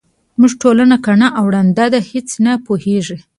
زموږ ټولنه کڼه او ړنده ده هیس نه پوهیږي.